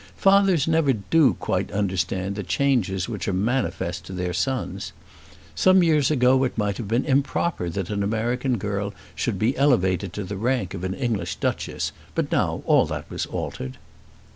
Fathers never do quite understand the changes which are manifest to their sons. Some years ago it might have been improper that an American girl should be elevated to the rank of an English Duchess; but now all that was altered.